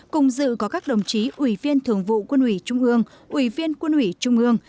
cùng dự có các đồng chí ủy viên thường vụ quân ủy trung ương ủy viên quân ủy trung ương